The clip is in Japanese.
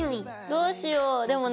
どうしようでもね